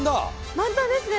満タンですね。